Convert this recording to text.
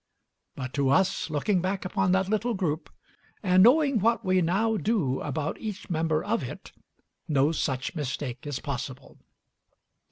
But to us, looking back upon that little group, and knowing what we now do about each member of it, no such mistake is possible.